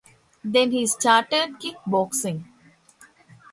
Then he started kickboxing.